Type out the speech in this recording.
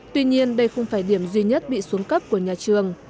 tuy nhiên đây không phải điểm duy nhất bị xuống cấp của nhà trường